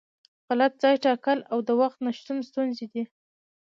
غلط ځای ټاکل او د وخت نشتون ستونزې دي.